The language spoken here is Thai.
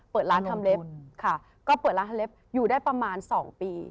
เปิดร้านทำเล็บค่ะก็เปิดร้านทำเล็บอยู่ได้ประมาณ๒ปี